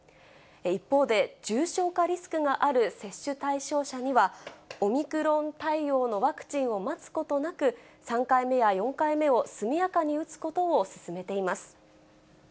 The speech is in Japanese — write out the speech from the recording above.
一方で、重症化リスクがある接種対象者には、オミクロン対応のワクチンを待つことなく、３回目や４回目を速やかに打つことを勧めています。